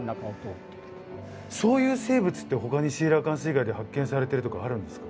そういう生物ってほかにシーラカンス以外で発見されてるとかあるんですか？